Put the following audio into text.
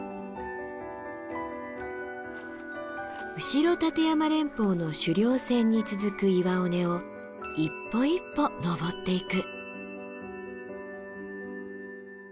後立山連峰の主稜線に続く岩尾根を一歩一歩登っていく。